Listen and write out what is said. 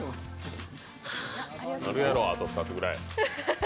あるやろ、あと２つぐらい。